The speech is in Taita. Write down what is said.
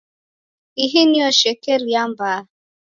Ihi nio shekeria mbaa.